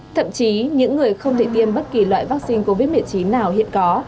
thậm chí những người không thể tiêm bất kỳ loại vaccine covid một mươi chín nào hiện có